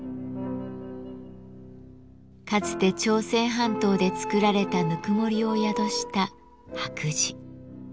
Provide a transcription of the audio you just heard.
かつて朝鮮半島で作られたぬくもりを宿した白磁。